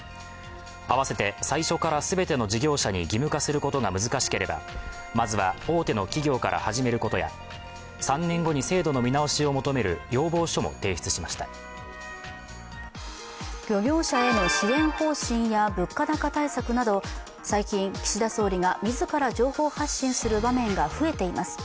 あわせて最初から全ての事業者に義務化することが難しければまずは大手の企業から始めることや３年後に制度の見直しを求める漁業者への支援方針や物価高対策など最近、岸田総理が自ら情報発信する場面が増えています。